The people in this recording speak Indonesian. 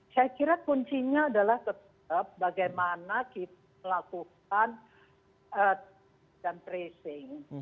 saya kira kuncinya adalah tetap bagaimana kita melakukan testing